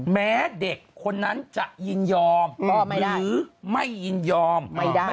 แม้เด็กคนนั้นจะยินยอมหรือไม่ยินยอมนะครับไม่ได้